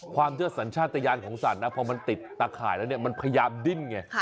ความเชื่อสรรชาติยานของสรรพอมันติดตะข่ายแล้วมันพยายามดิ้นไง